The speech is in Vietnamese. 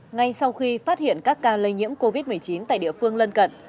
ngay sau khi phát hiện các ca lây nhiễm covid một mươi chín tại địa phương lân cận